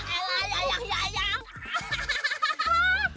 ya elah ya ayang ya ayang